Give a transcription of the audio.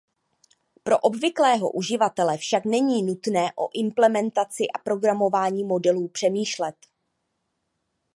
Pro obvyklého uživatele však není nutné o implementaci a programování modelů přemýšlet.